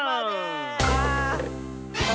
あ。